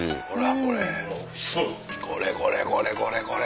これこれこれこれ！